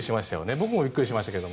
僕もびっくりしましたけど。